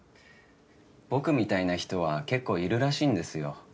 僕みたいな人は結構いるらしいんですよ。